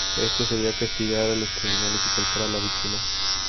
Esto sería castigar a los criminales y culpar a la víctima.